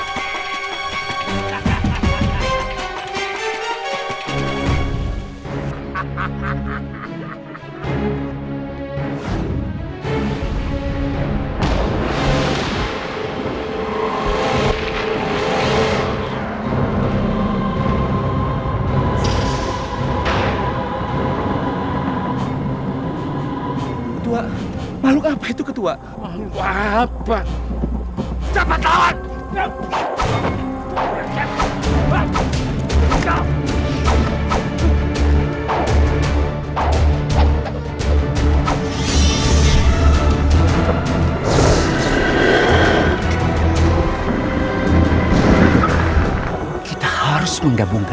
sampai jumpa di video selanjutnya